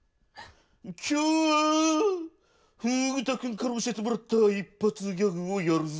今日はフグ田くんから教えてもらった一発ギャグをやるぞ。